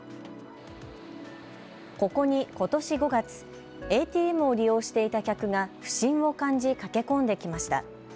ここに、ことし５月、ＡＴＭを利用していた客が、不審を感じ駆け込んできました。